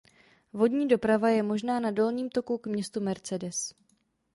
Vodní doprava je možná na dolním toku k městu Mercedes.